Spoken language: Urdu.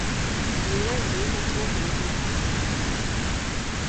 میرا یہ مطلب نہیں تھا۔